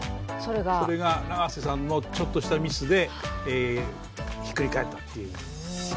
それが永瀬さんのちょっとしたミスでひっくり返ったっていう。